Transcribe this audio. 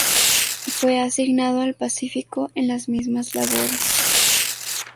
Fue asignado al Pacífico en las mismas labores.